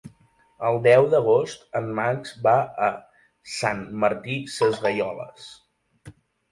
El deu d'agost en Max va a Sant Martí Sesgueioles.